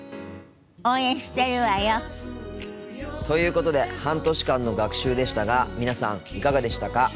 応援してるわよ。ということで半年間の学習でしたが皆さんいかがでしたか？